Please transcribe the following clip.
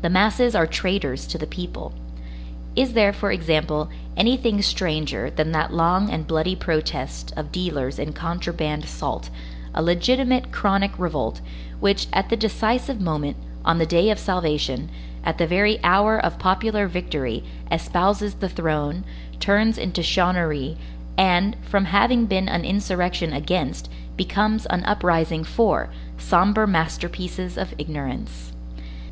The masses are traitors to the people. Is there, for example, anything stranger than that long and bloody protest of dealers in contraband salt, a legitimate chronic revolt, which, at the decisive moment, on the day of salvation, at the very hour of popular victory, espouses the throne, turns into chouannerie, and, from having been an insurrection against, becomes an uprising for, sombre masterpieces of ignorance!